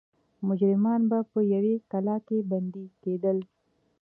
مجرمان به په یوې قلعې کې بندي کېدل.